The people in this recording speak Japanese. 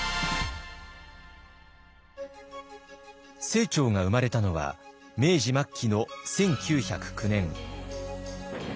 清張が生まれたのは明治末期の１９０９年。